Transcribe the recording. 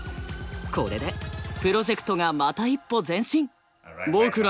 これでプロジェクトがまた一歩前進！